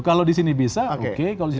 kalau disini bisa oke